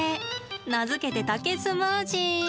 名付けて、竹スムージー。